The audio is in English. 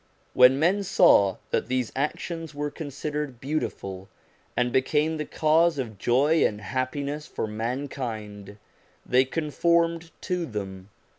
When men saw that these actions were considered beautiful, and became the cause of joy and happiness for mankind, they conformed to them.